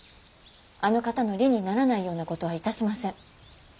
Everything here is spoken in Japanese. あの方の利にならないようなことはいたしません。